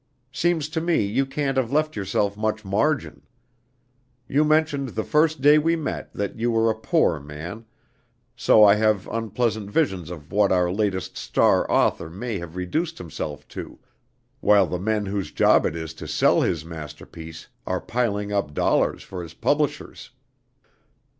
Seems to me you can't have left yourself much margin. You mentioned the first day we met that you were a poor man; so I have unpleasant visions of what our latest star author may have reduced himself to, while the men whose job it is to sell his masterpiece are piling up dollars for his publishers.